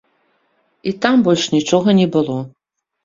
І там больш нічога не было.